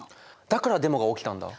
だからデモが起きたんだ。